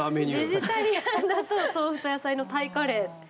ベジタリアンだと「豆腐と野菜のタイカレー」。